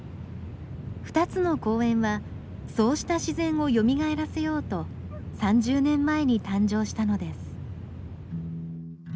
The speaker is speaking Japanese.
２つの公園はそうした自然をよみがえらせようと３０年前に誕生したのです。